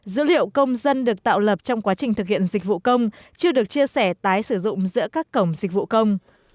dữ liệu công dân được tạo lập trong quá trình thực hiện dịch vụ công chưa được chia sẻ tái sử dụng giữa các cổng dịch vụ công